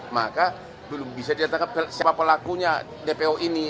maka belum bisa ditangkap siapa pelakunya dpo ini